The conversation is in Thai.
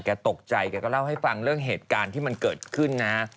แกตกใจแกก็เล่าให้ฟังเรื่องเหตุการณ์ที่มันเกิดขึ้นนะ